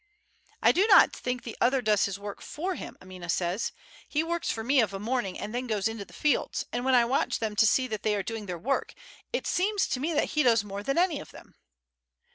"I don't think the other does his work for him," Amina said. "He works for me of a morning and then goes into the fields; and when I watch them to see that they are doing their work it seems to me that he does more than any of them."